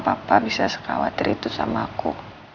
mereka bisa sekawatir itu sama aku